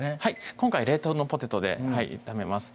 今回冷凍のポテトで炒めます